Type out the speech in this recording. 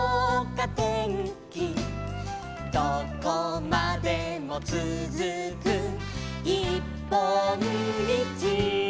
「どこまでもつづくいっぽんみち」